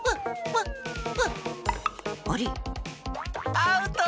アウト！